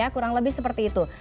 kurang lebih seperti itu